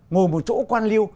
ngồi một chỗ quan liêu